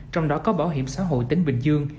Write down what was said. trong đó có bảo hiểm xã hội tỉnh bình dương